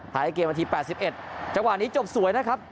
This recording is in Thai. ในเกมนาที๘๑จังหวะนี้จบสวยนะครับ